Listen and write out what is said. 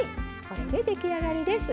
これで出来上がりです。